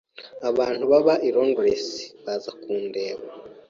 Abantu babana i Londres baza kundeba.